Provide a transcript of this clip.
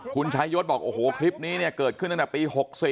คุณชายศบอกโอ้โหคลิปนี้เนี่ยเกิดขึ้นตั้งแต่ปี๖๔